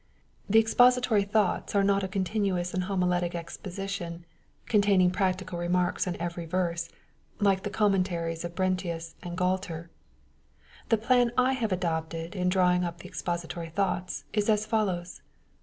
The " Expository Thoughts" are not a continuous and homiletic exposition, containing practical remarks ^jj,^^ on every verse, like the commentaries of Brentius and Gualter. £J3 The plan I have adopted in drawing up the " Expos itory Thoughts" is as follows.